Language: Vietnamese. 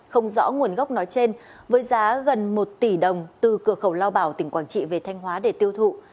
không rõ nguồn gốc nói trên với giá gần một tỷ đồng từ cửa khẩu lao bảo tỉnh quảng trị về thanh hóa để tiêu thụ